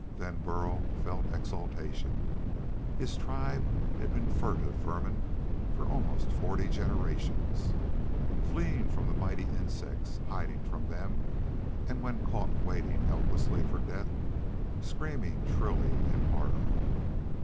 Then Burl felt exultation. His tribe had been furtive vermin for almost forty generations, fleeing from the mighty insects, hiding from them, and when caught waiting helplessly for death, screaming shrilly in horror.